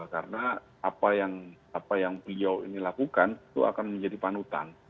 karena apa yang apa yang beliau ini lakukan itu akan menjadi panutan